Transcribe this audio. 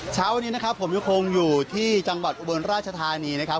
เช้าวันนี้นะครับผมยังคงอยู่ที่จังหวัดอุบลราชธานีนะครับ